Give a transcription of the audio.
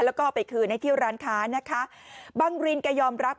แล้วก็เอาไปคืนให้เที่ยวร้านค้านะคะบังรินแกยอมรับ